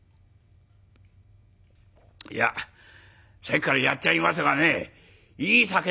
「いやさっきからやっちゃいますがねいい酒使ってますね